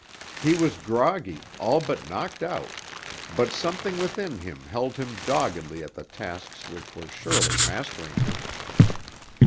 He was groggy, all but knocked out; but something within him held him doggedly at the tasks which were surely mastering him.